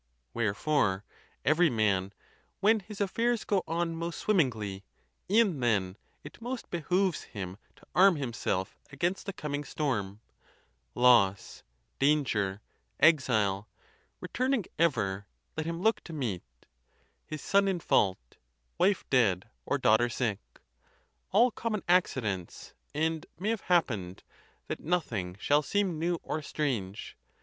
Wherefore ev'ry man, When his affairs go on most swimmingly, E'en then it most behooves to arm himself Against the coming storm: loss, danger, exile, Returning ever, let him look to meet; His son in fault, wife dead, or daughter sick : All common accidents, and may have happen'd That nothing shall seem new or strange.